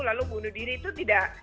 lalu bunuh diri itu tidak